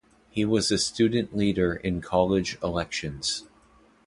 He was a student leader in College elections.